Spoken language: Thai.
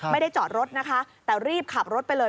ไม่ได้จอดรถนะคะแต่รีบขับรถไปเลย